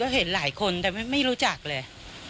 เห็นหลายคนแต่ไม่รู้จักเลย